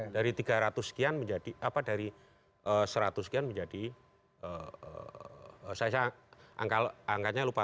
dari tiga ratus sekian menjadi apa dari seratus sekian menjadi saya angkanya lupa